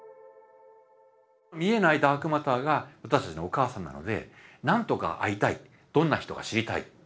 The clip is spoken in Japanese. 見えないダークマターが私たちのお母さんなので何とか会いたいどんな人か知りたい正体を知りたい。